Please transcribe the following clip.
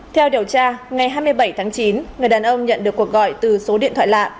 theo điều tra ngày hai mươi bảy tháng chín người đàn ông nhận được cuộc gọi từ số điện thoại lạ